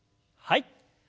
はい。